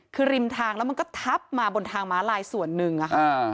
คือริมทางแล้วมันก็ทับมาบนทางม้าลายส่วนหนึ่งอะค่ะ